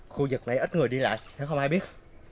khu vực này ít người đi lại thế không ai biết